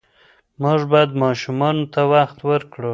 موږ باید ماشومانو ته وخت ورکړو.